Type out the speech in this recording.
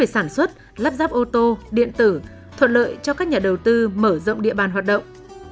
sản xuất lắp ráp ô tô điện tử thuận lợi cho các nhà đầu tư mở rộng địa bàn hoạt động